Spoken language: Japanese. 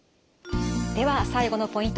では最後のポイント